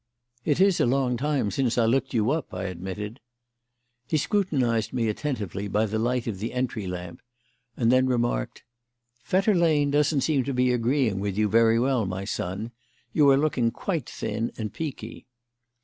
"It is a long time since I looked you up," I admitted. He scrutinised me attentively by the light of the entry lamp, and then remarked: "Fetter Lane doesn't seem to be agreeing with you very well, my son. You are looking quite thin and peaky."